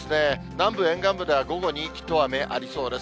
南部沿岸部では午後に一雨ありそうです。